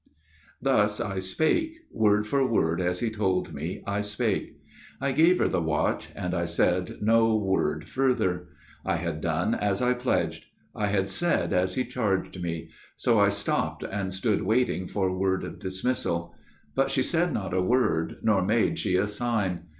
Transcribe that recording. Thus I spake. Word for word as he told me I spake. I gave her the watch, and I said no word further. I had done as I pledged, I had said as he charged me, So I stopped and stood waiting for word of dismissal. But she said not a word, nor made she a sign.